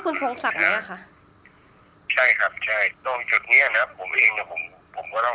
คุณพ่อได้จดหมายมาที่บ้าน